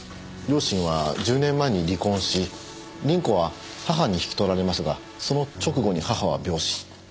両親は１０年前に離婚し凛子は母に引き取られますがその直後に母は病死。